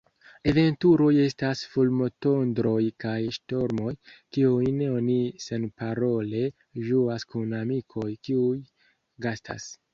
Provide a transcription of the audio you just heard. Aventuroj estas fulmotondroj kaj ŝtormoj, kiujn oni senparole ĝuas kun amikoj, kiuj gastas.